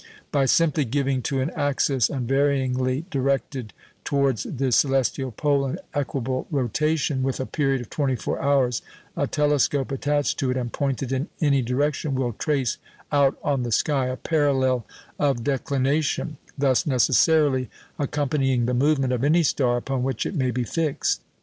By simply giving to an axis unvaryingly directed towards the celestial pole an equable rotation with a period of twenty four hours, a telescope attached to it, and pointed in any direction, will trace out on the sky a parallel of declination, thus necessarily accompanying the movement of any star upon which it may be fixed.